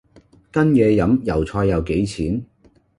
跟野飲油菜又幾錢